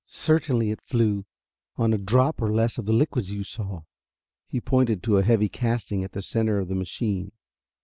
"Certainly it flew! On a drop or less of the liquids you saw." He pointed to a heavy casting at the center of the machine.